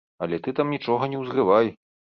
Але ты там нічога не ўзрывай.